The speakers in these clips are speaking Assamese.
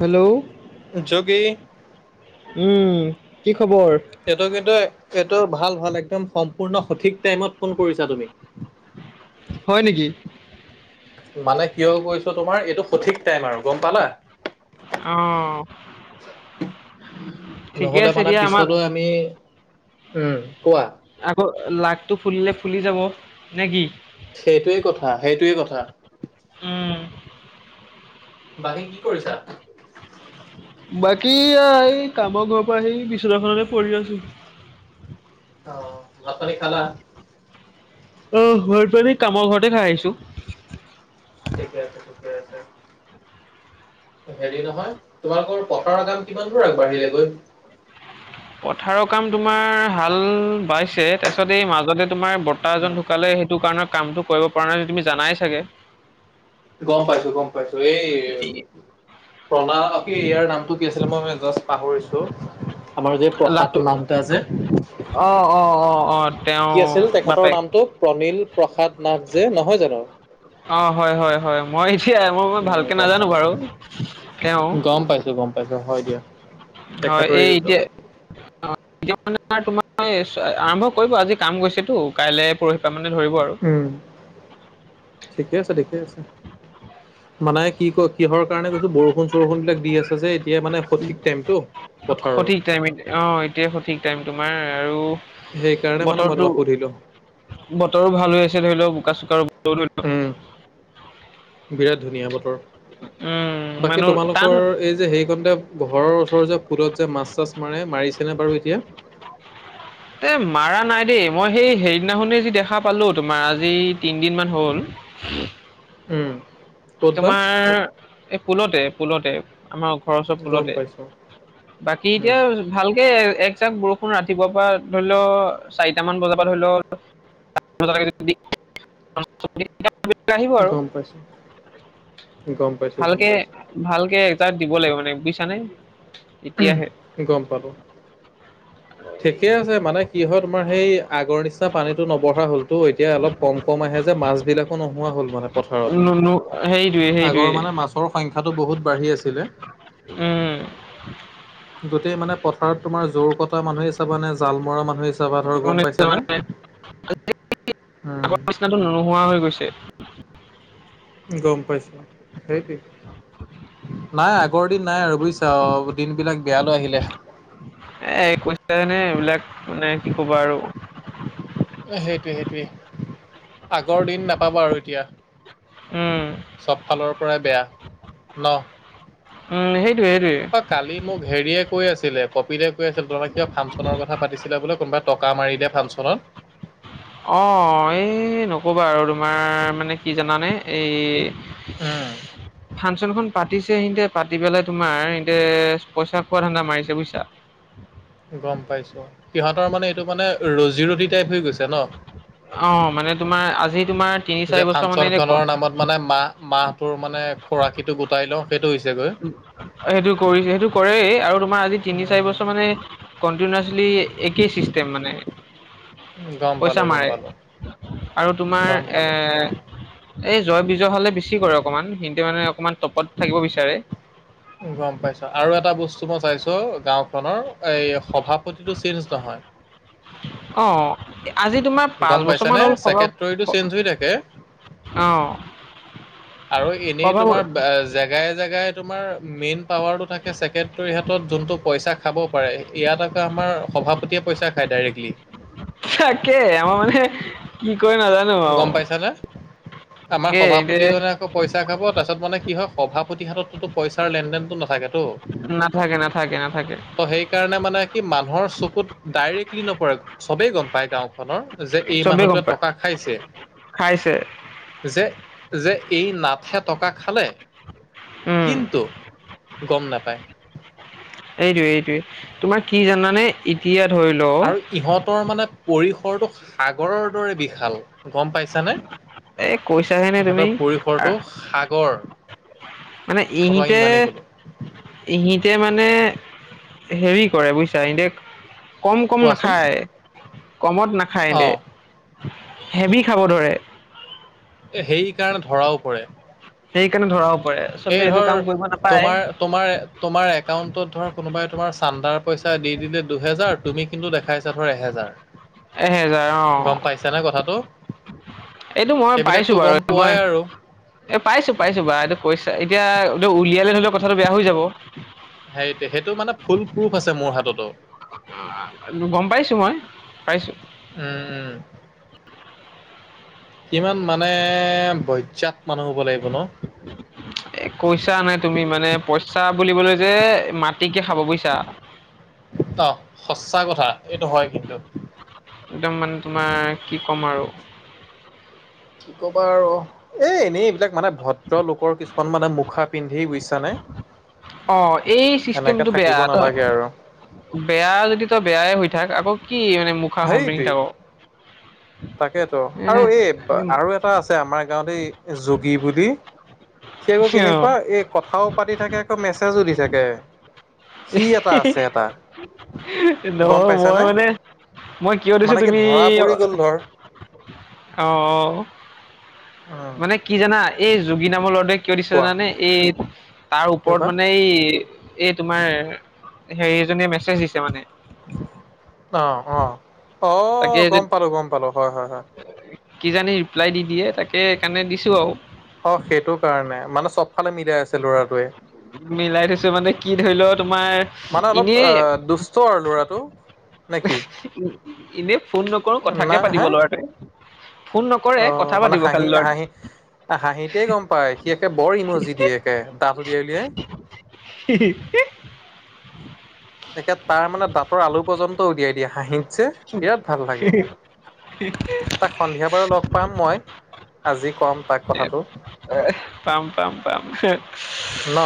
হেল্ল' যোগ ই উম, কি খবৰ? এইটো কিন্তু এইটো ভাল ভাল, একদম সম্পূৰ্ণ সঠিক টাইমত ফোন কৰিছা তুমি। হয় নেকি? মানে কিয় কৈছোঁ তোমাৰ, এইটো সঠিক টাইম আৰু গম পালা? অ'। ঠিকে নহ'লে আছে মানে দিয়া আমাৰ পিছলৈ আমি, উম, কোৱা? আকৌ লাগটো ফুলিলে ফুলি যাব নেকি? সেইটোৱে কথা, সেইটোৱে কথা। উম। বাকী কি কৰিছা? বাকি আ, এই কামৰ ঘৰৰপৰা আহি বিচনাখনতে পৰি আছোঁ। অ' ভাত পানী খালা? অ' ভাত পানী কামৰ ঘৰতে খাই আহিছোঁ। ঠিকে আছে, ঠিকে আছে। হেৰি নহয় তোমালোকৰ পথাৰৰ কাম কিমান দূৰ আগবাঢ়িলেগৈ। পথাৰৰ কাম তোমাৰ হাল বাইছে, তাৰ পিছত এই মাজতে তোমাৰ বত তা এজন ঢুকালে সেইটো কাৰণে কামটো কৰিব পৰা নাই তুমি জানাই চাগে। গ'ম পাইছো গ'ম পাইছোঁ এই প্ৰণা ইয়াৰ নামটো কি আছিলে মই যাষ্ট পাহৰিছোঁ। আমাৰ যে লাটো প্ৰসাদ নাথদা যে অ', অ', অ', অ'। তেওঁ কি আছিল তেখেতৰ বাপেক নামটো প্ৰণীল প্ৰসাদ নাথ যে নহয় জানো? অ', হয়, হয়, হয় মই এতিয়াই মই, মই ভালকে উম গম নাজানোঁ বাৰু পালো তেওঁ গ'ম পাইছোঁ গ'ম পাইছোঁ হয় দিয়া। হয় তেখেতৰ এই এইটো এতিয়া এতিয়া মানে তোমাৰ আৰম্ভ কৰিব আজি কাম গৈছেতো কাইলে পৰহিপাৰ মানে ধৰিব আৰু। উম ঠিকে আছে, ঠিকেই আছে মানে কি, ক কিহৰ কাৰণে কৈছোঁ বৰষুণ চৰষুণ বিলাক দি আছে যে এতিয়ায় মানে সঠিক টাইমতটো পথাৰৰ সঠিক টাইম অ', এতিয়া সঠিক টাইম তোমাৰ আৰু সেইকাৰণে মানে মই বতৰটো তোমাক সুধিলো বতৰো ভাল হৈ আছে ধৰি লওক বোকা চোক উম বিৰাট ধুনীয়া বতৰ। উম। বাকী মানুহ টান তোমালোকৰ এই যে হেৰিকণ যে ঘৰৰ ওচৰৰ যে ফুলত যে মাছ চাছ মাৰে মাৰিছেনে বাৰু এতিয়া। [inaudible] এ মাৰা নাই দেই মই সেই হেইৰিদিনাখনে যি দেখা পালো তোমাৰ আজি তিনদিনমান হ'ল উম। ক'ত বা তোমাৰ এই পুলতে পুলতে আমাৰ খৰচৰ গম ফুলতে পাইছো বাকী উম এতিয়া ভালকে একজাক বৰষুণ ৰাতিপুৱাৰ পৰা ধৰি ল চাৰিটামান বজাৰ পৰা ধৰি ল [unintelligible] আহিব আৰু। পাইছোঁ। ভালকে ভালকে এজাক দিব লাগিব মানে বুজিছা নে। উম গ'ম পালো। ঠিকে আছে মানে কি হয় তোমাৰ সেই আগৰ নিচিনা পানীটো নবঢ়া হ'লতো এতিয়া অলপ কম, কম আহে যে মাছ বিলাকো নোহোৱা হ'ল মানে পথাৰত। ন ম আই [unintelligible] আগৰ মানে মাছৰ সংখ্যাটো বহুত বাঢ়ি আছিলে। উম গোটেই মানে পথাৰত তোমাৰ জোৰ কটা মানুহে চাবা নে জাল মৰা মানুহ চাবা ধৰ গ'ম মানে পাইছানে উম। [unintelligible] নোহোৱা হৈ গৈছে। গ'ম পাইছোঁ সেইটো নাই আ আগৰ দিন নাই আৰু বুজিছা দিন বিলাক বেয়ালৈ আহিলে। এ কৈছানে এইবিলাক মানে কি ক'বা আৰু। সেইটোৱে, সেইটোৱে আগৰ দিন নাপাবা আৰু এতিয়া। উম। চব ফালৰ পৰাই বেয়া ন। উম সেইটোৱে সেইটোৱে। অ কালি মোক হেৰিয়ে কৈ আছিলে কপিলে কৈ আছিলে তোমাক কিবা ফাংচনৰ কথা পাতিছিলা বোলে কোনোবাত টকা মাৰি দে ফাংচনত। অ', এই নকবা আৰু তোমাৰ মানে কি জানানে এই উম ফাংচন খন পাতিছে সিহতে পাতি পেলাই তোমাৰ পেলাই তোমাৰ পইচা খোৱা ধান্দা মাৰিছে বুজিছা। গ'ম পাইছোঁ সিহঁতৰ মানে এইটো মানে ৰজী ৰটী টাইপ হৈ গৈছে ন। অ মানে তোমাৰ আজি তোমাৰ তিনি চাৰি যে বছৰ মানে ফাংচন এনে খনৰ নামত মানে মাহ মাহটোৰ মানে খোৰাকীটো গোটাই লওঁ সেইটো হৈছে গৈ সেইটো কৰিছে সেইটো কৰেই আৰু তোমাৰ আজি তিনি চাৰি বছৰ মানে কনটিনিউয়াছলি একেই চিষ্টেম মানে উম, গম পইচা পালো গম মাৰে পালো আৰু গম তোমাৰ এ পালো এই জয় বিজয় হালে বেছি কৰে অকণমান সিহঁতে মানে অকনমান টপত থাকিব বিচাৰে গম পাইছো আৰু এটা বস্তু মই চাইছো গাঁওখনৰ সভাপতিটো চেঞ্জ নহয় অ আজি তোমাৰ গম পাঁচ বছৰ পাইছানে মান হ'ল সভা ছেক্ৰেটৰীটো চেঞ্জ হৈ থাকে অ আৰু এনেই সভা তোমাৰ জেগাই জেগাই তোমাৰ মেইন পাৱাৰটো তাকে ছেক্ৰেটাৰীৰ হাতত জোনটো পইচা খাব পাৰে ইয়াত আকৌ আমাৰ সভাপতিয়ে পইচা খায় ডাইৰেক্টলি তাকে আমাৰ মানে কি কৰে নাজানো আৰু গম পাইছানে আমাৰ তাকে সিহঁতে সভাপতিজনে আকৌ পইচা খাব তাৰপছত মানে কি হয় সভাপতিৰ হাতত তো পইচাৰ লেনদেনটো নাথাকে নাথাকে নাথাকে নাথাকে নাথাকে ত' সেইকাৰণে মানে কি মানুহৰ চকুত ডাইৰেক্টলি নপৰে চবেই গম পায় গাওখনৰ যে এই চবেই গম মানুহটোৱে পায় টকা খাইছে খাইছে যে যে এই নাথে টকা খালে উম কিন্তু গম নাপায় এইটোৱে এইটোৱে তোমাৰ কি জানানে এতিয়া ধৰি লও আৰু ইহঁতৰ মানে পৰিসৰটো সাগৰৰ দৰে বিশাল গম পাইছানে এ কৈছাহে নে তুমি ইহঁতৰ পৰিসৰটো আ- সাগৰ মানে মই তোমাক ইহতে ইমানেই ক'লো ইহতে মানে হেৰি কৰে বুজিছা ইহতে কম কম কোৱাচোন নাখায় কমত নাখায় ইহতে অ'। হেভি খাব ধৰে এ সেই কাৰণে ধৰাও পৰে সেইকাৰণে ধৰাও পৰে এই আচলতে এইটো ধৰ কাম কৰিব নাপায় তোমাৰ তোমাৰ তোমাৰ একাউণ্টত ধৰ কোনোবাই তোমাৰ চান্দাৰ পইচা দি দিলে দুহেজাৰ তুমি কিন্তু দেখাইছা ধৰা এহেজাৰ এহেজাৰ গম পাইছানে কথাটো অ এইটো মই সেইবিলাকতো পাইছো গম বাৰু মই পোৱাই আৰু এ পাইছো পাইছো বা এইটো কৈছা এতিয়া উলিয়ালে ধৰি লোৱা কথাটো বেয়া হৈ যাব সেইটোৱে সেইটো মানে ফুল প্ৰুফ আছে মোৰ হাততো গম পাইছো মই পাইছো উম উম কিমান মানে বজ্জাত মানুহ হব লাগিব ন [inaudible] এ কইচা নাই তুমি মানে পইচা বুলিবলৈ যে মাটিকে খাব বুজিছা অ সচাঁ কথা এইটো হয় কিন্তু একদম মানে তোমাৰ কি ক'ম আৰু কি ক'বা আৰু এ এনেই এইবিলাক মানে ভদ্ৰ লোকৰ কিছুমান মানে মুখা পিন্ধি বুজিছানে অ এই এনেকে চিষ্টেমটো থাকিব বেয়া নালাগে আৰু বেয়া যদি তই বেয়াই হৈ থাক আকৌ কি মানে মুখ হেইটোৱেই তাকেইতো এ আৰু এই একদম আৰু এটা আছে আমাৰ গাঁৱতে এই যোগী বুলি সি আকৌ অ কেনেকুৱা এই কথাও পাতি থাকে আকৌ মেছেজো দি থাকে সি এটা আছে এটা গম নহয় মই পাইছানে মানে মই কিয় দিছো মানে কি তুমি ধৰা অ পৰি গ'ল ধৰ অ উম, মানে কি জানা এই যোগী নামৰ ল'ৰাটোৱে কিয় দিছে কোৱা জানানে এই তাৰ কিয় ওপৰত বা মানে এই এই তোমাৰ হেৰি এজনীয়ে মেছেজ দিছে মানে। অ', অ', অ' তাকে গম পালোঁ, গম পালোঁ, হয় হয় হয়। কিজানি ৰিপ্লাই দি দিয়ে তাকে সেইকাৰণে দিছোঁ আৰু। অ' সেইটো কাৰণে, মানে চবফালে মিলাই আছে ল'ৰাটোৱে? মিলাই থৈছে মানে কি ধৰি ল' তোমাৰ এনেই চ আৰু ল'ৰাটো। নে কি এনেই ফোন নকৰোঁ, না কথাকে হে পাতিব ল'ৰাটোৱে। ফোন নকৰে কথা অ' মানে পাতিব হাঁহি খালি ল'ৰাটোৱে হাঁহি হাঁহিতে গম পায়, সি একে বৰ ইম'জি দিয়ে একে দাঁত উলিয়াই উলিয়াই। [unintelligible] এতিয়া তাৰমানে দাঁতৰ আলু পৰ্যন্ত উলিয়াই দিয়ে হাঁহি। চে বিৰাট ভাল লাগে, তাক সন্ধিয়া বাৰু লগ পাম মই। আজি ক'ম তাক কথাটো। এ, পাম পাম পাম। ন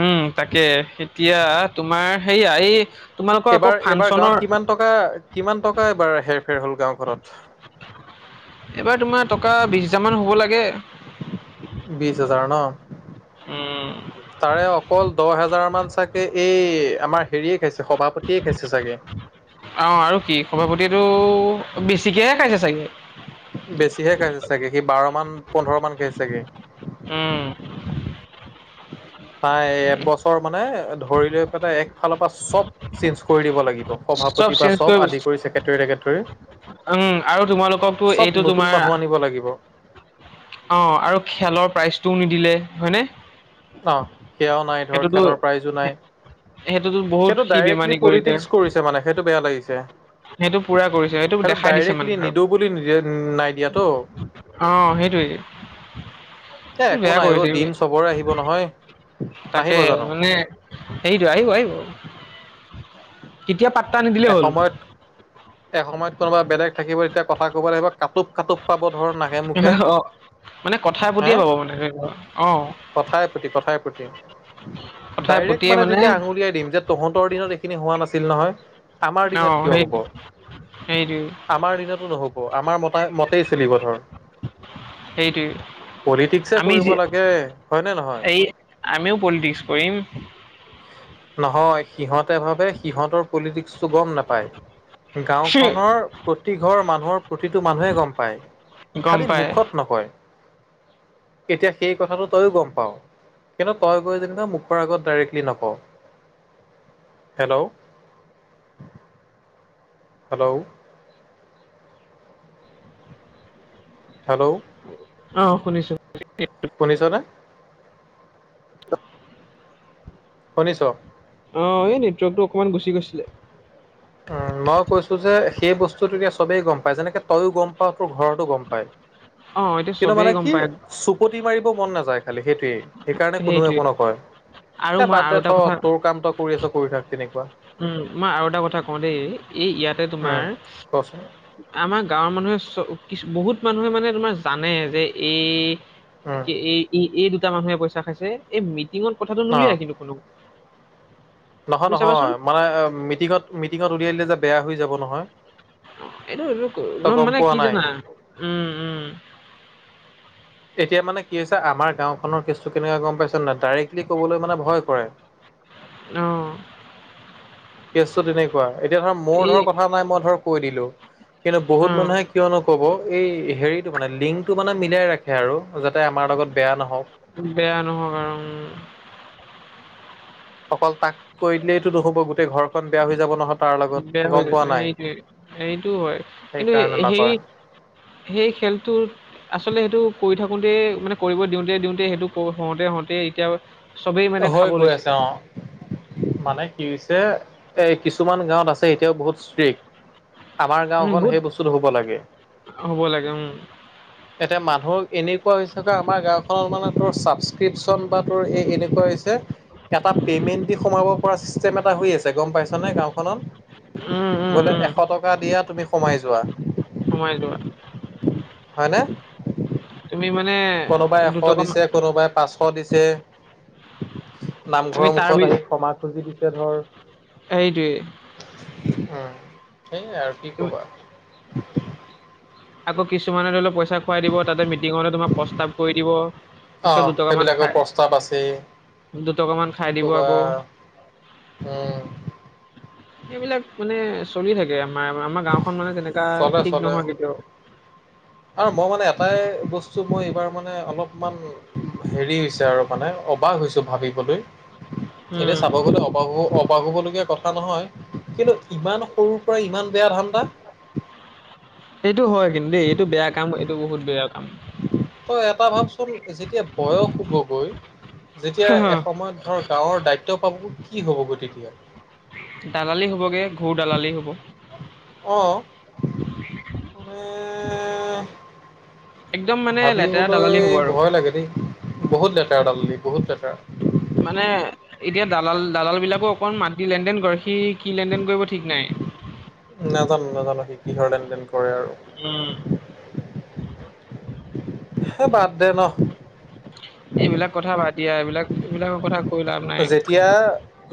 উম, তাকে এতিয়া তোমাৰ সেয়া এই তোমালোকৰ আকৌ এইবাৰ এইবাৰ গাঁৱত ফাংচনৰ কিমান টকা, কিমান টকা এবাৰ হেৰ ফেৰ হ'ল গাঁওখনত? এইবাৰ তোমাৰ টকা বিছ হজাৰমান হ'ব লাগে। বিশ হাজাৰ উম ন' তাৰে অকল দহ হেজাৰ মান ছাগে এই আমাৰ হেৰিয়ে খাইছে, সভাপতিয়ে খাইছে চাগে। অ' আৰু কি সভাপতিয়েতো বেছিকৈহে খাইছে চাগে। বেছিহে খাইছে চাগে, সি বাৰ মান, পোন্ধৰ মান খাইছে চাগে। উম। প্ৰায় এবছৰ মানে ধৰি লৈ পেলাই একফালৰপৰা চব চেঞ্জ কৰি দিব লাগিব। সভাপতি বা চেঞ্জ চব কৰিব আদি কৰি ছেকেৰেটৰীলৈকে ধৰি। উম আৰু তোমালোককতো চব এইটো নতুন তোমাৰ মানুহ আনিব লাগিব। অ' আৰু খেলৰ প্ৰাইজটোও নিদিলে হয়নে? অ' সেয়াও নাই ধৰ, সেইটোতো খেলৰ প্ৰাইজো নাই। সেইটোতো ব সেইটোতো ডাইৰেক্টলি পলিটিক্স কৰিছে মানে, সেইটো বেয়া লাগিছে। পুৰা কৰিছে সেইটো সেইটো দেখাই দিছে মানে ডাইৰেক্টলি আৰু। নিদো বুলি নিদিয় নাই দিয়াতো? অ' সেইটোৱেই। এ একো বেয়া নাই অ কৰিছে, দিন চবৰে আহিব নহয় তাকে নাহিব জানো মানে সেইটো, আহিব আহিব, কেতিয়া পাট্টা নিদিলেই হ'ল। এসময়ত এসময়ত কোনোবা বেলেগ থাকিব তেতিয়া কথা ক'ব লাগিব কাটোব কাটোব পাব ধৰ নাখে মুখে। অ', মানে কথাই হে, পতিয়ে পাব মানে ধৰি লোৱা অ', কথাই পতি, কথাই পতি। কথাই ডাইৰেক্ট পতিয়ে মানে তেতিয়া আঙুলিয়াই দিম যে তহঁতৰ দিনত এইখিনি হোৱা নাছিল নহয়। আমাৰ দিনত অ' কিয় সেই হ'ব সেইটোৱেই। আমাৰ দিনতো নহ'ব, আমাৰ মতা মতেই চিলিব ধৰ। সেইটোৱে পলিটিক্সে আমি কৰিব যি লাগে হয় নে নহয়? এই আমিও পলিটিক্স কৰিম। নহয় সিহঁতে ভাবে সিহঁতৰ পলিটিক্স গম নাপায়, গাঁওখনৰ প্ৰতি ঘৰ মানুহৰ প্ৰতিটো মানুহে গম পায়। গম খালী পাই মুখত নকয়। এতিয়া সেই কথাটো তইয়ো গম পাও কিন্তু তই গৈ যেনিবা মুখৰ আগত ডাইৰেক্টলি নক ক, হেল্ল'। হেল্ল'। হেল্ল'। অ' শুনিছোঁ। শুনিছনে? [unintelligible] শুনিছোঁ। অ এই নেটৱৰ্কটো অকমান গুচি গৈছিলে। উম মই কৈছো যে সেই বস্তুটো এতিয়া সবেই গম পায় যেনেকে তইও গম পাৱ তোৰ ঘৰতো গম পায়। অ এতিয়া কিন্তু চবেই মানে গম কি পায়। [unintelligible] মাৰিব মন নাযায় খালি সেইটোৱেই। সেইকাৰণে কোনো সেইটোৱে। একো নকয় আৰু এ মই বাদ আৰু দে এটা থো কথা তোৰ কাম তই কৰি আছোঁ কৰি থাক তেনেকুৱা। উম মই আৰু এটা কথা কওঁ দেই এই ইয়াতে উম তোমাৰ। কচোন আমাৰ গাঁৱৰ মানুহে কিছু বহুত মানুহে মানে তোমাৰ জানে যে এ উম এ-এই, এই দুটা মানুহে পইচা খাইছে এই মিটিঙত কথাটো অ নুলিৱাই কিন্তু কোনো। নহয়, তুমি নহয় চাবাচোন। মানে মিটিঙত, মিটিঙত উলিয়াই দিলেযে বেয়া হৈ যাব নহয়। এইটো এইটোক তই গম মানে পোৱা কি নাই জানা, উম, উম। এতিয়া মানে কি হৈছে আমাৰ গাঁওখনৰ কেচটো কেনেকুৱে গম পাইছোঁ নে নাই ডাইৰেক্টলি ক'বলৈ মানে ভয় কৰে। ন। কেছটো তেনেকুৱা এতিয়া ধৰ মোৰ এই ধৰ কথা নাই মই ধৰ কৈ দিলোঁ। কিন্তু বহুত অ', মানুহে কিয় নক'ব এই হেৰিটো মানে লিংকটো মানে মিলাই ৰাখ খে আৰু যাতে আমাৰ লগত বেয়া নহওঁক। বেয়া নহওঁক আৰু উম। অকল তাক কৰি দিলেইটো নহ'ব গোটেই ঘৰখন বেয়া হৈ যাব নহয় তাৰ উম, বেয়া লগত হৈ গম যায়, পোৱা নাই। সেইটোৱে। সেইটো হয় কিন্তু সেইকাৰণে হেৰি নকৰে সেই খেলটোৰ। আচলতে সেইটো কৰি থাকোঁতে মানে কৰিব দিওঁতে, দিওঁতে সেইটো হওঁতে, হওঁতে এতিয়া। চবেই মানে হৈ খাব গৈ লৈছে আছে অ মানে কি হৈছে এ কিছুমান গাঁৱত আছ এতিয়াও বহুত ষ্ট্ৰিক্ আমাৰ উম গাওঁখন বহুত সেই বস্তুটো হব লাগে। হ'ব লাগে উম এতে মানুহক এনেকুৱা হৈছে যে আমাৰ গাওঁখনত মানে তোৰ চাছস্কৃপচন বা তোৰ এই এনে [unintelligible] এটা পেমেণ্ট দি সোমাব পৰা চিষ্টেম এটা হৈ আছে গম পাইছোঁ নে গাওঁখনত। উম উম বোলে উম এশ টকা দিয়া তুমি সোমাই যোৱা। সোমাই যোৱা। হয় নে। তুমি মানে কোনোবাই এশ দুটকা দিছে মা- কোনোবাই। পাঁচশ দিছে তুমি নামঘৰৰ তাৰ মুখত আহি ক্ষমা খুজি দিছে ধৰ। এইটোৱে। সেই আৰু কি তুমি কবা। আকৌ কিছুমানে ধৰি লওঁ পইচা খুৱাই দিব তাতে মিটিঙতে তোমাক প্ৰস্তাৱ কৰি দিব অ পিছত দুটকা মান সেইবিলাকৰ প্ৰস্তাৱ আছেই খাই। দুটকা মান কি খাই দিব ক'বা আকৌ। উম। সেইবিলাক মানে চলি থাকে আমাৰ, আমাৰ গাওঁখন মানে তেনেকা চলে ঠিক চলে নহয় কেতিয়াও। আৰু মই মানে এটাই বস্তু মই এইবাৰ মানে অলপমান। হেৰি হৈছে আৰু মানে অবাক হৈছো ভাৱিবলৈ এনে উম চাব গ'লে অব অবা-অবাক হব লগীয়া কথা নহয় কিন্তু ইমান সৰুৰ পৰা ইমান বেয়া ধাণ্ডা। সেইটো হয় কিন্তু দেই এইটো বেয়া কাম এইটো বহুত বেয়া কাম। তই এটা ভাবচোন যেতিয়া বয়স হ'ব গৈ। যেতিয়া এসময়ত ধৰ গাঁৱৰ দায়িত্ব পাব কি হ'ব গৈ তেতিয়া? দালালি হ'ব গে ঘোৰ দালালি হ'ব। অ', মানে একদম মানে লেতেৰা ভাৱিবলৈ দালালি হ'ব আৰু। ভয় লাগে দেই বহুত লেতেৰা দালালি বহুত লেতেৰা। মানে এতিয়া দালাল, দালাল বিলাকো অকন মাটিৰ লেনদেন কৰে সি কি লেনদেন কৰিব ঠিক নাই। নাজানোঁ, নাজানোঁ সি কিহৰ লেনদেন কৰে আৰু। [inaudible] উম। বাদ দে ন এইবিলাক কথা বাদ দিয়া এইবিলাক এইবিলাকৰ কথা কৈ লাভ নাই এতিয়া